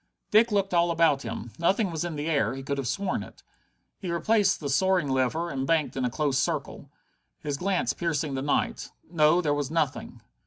Dick looked all about him. Nothing was in the air he could have sworn it. He replaced the soaring lever and banked in a close circle, his glance piercing the night. No, there was nothing.